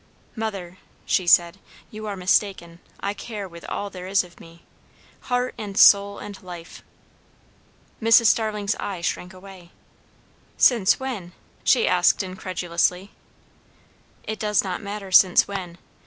"Mother," she said, "you are mistaken. I care with all there is of me; heart and soul and life." Mrs. Starling's eye shrank away. "Since when?" she asked incredulously. "It does not matter since when.